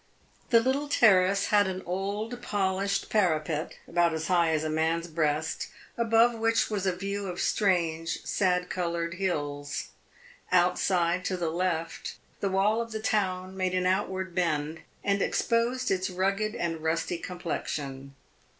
The little terrace had an old polished parapet, about as high as a man's breast, above which was a view of strange, sad colored hills. Outside, to the left, the wall of the town made an outward bend, and exposed its rugged and rusty complexion.